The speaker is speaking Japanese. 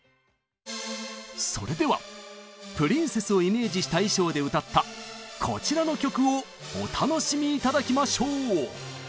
それではプリンセスをイメージした衣装で歌ったこちらの曲をお楽しみ頂きましょう！